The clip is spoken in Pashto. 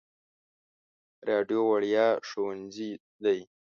راډیو وړیا ښوونځی دی.